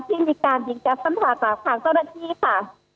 ที่มีการยิงแก๊สน้ำพาจากทางเจ้าหน้าที่ค่ะ